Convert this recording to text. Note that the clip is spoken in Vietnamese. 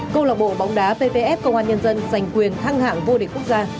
câu lạc bộ bóng đá pvf công an nhân dân giành quyền thăng hạng vô địch quốc gia